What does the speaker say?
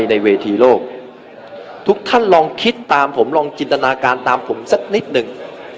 สักนิดหนึ่ง